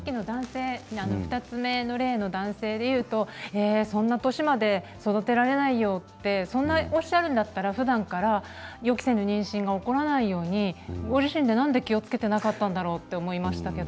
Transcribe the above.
２つ目の例の男性でいうとそんな年まで育てられないよっておっしゃるんだったらふだんから予期せぬ妊娠が起こらないようにご自身がなんで気をつけていなかったんだろうと思いました。